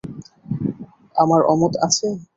তোমার অমত আছে?